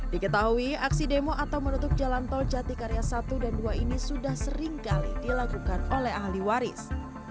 diketahui aksi demo atau menutup jalan tol jatikarya satu dan dua ini sudah seringkali dilakukan oleh ahli waris